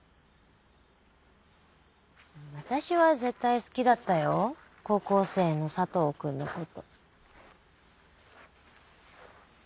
私は絶対好きだったよ高校生の佐藤君のこと。